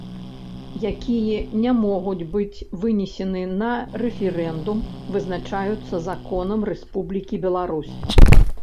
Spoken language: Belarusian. Якія не могуць быць вынесены на рэферэндум, вызначаюцца законам Рэспублікі Беларусь.